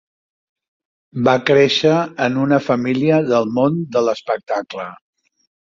Va créixer en una família del món de l'espectacle.